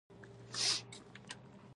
یو سل او اته دیرشمه پوښتنه د مقررې مرحلې دي.